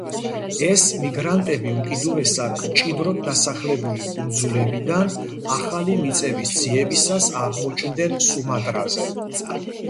ეს მიგრანტები უკიდურესად მჭიდროდ დასახლებული კუნძულებიდან ახალი მიწების ძიებისას აღმოჩნდნენ სუმატრაზე.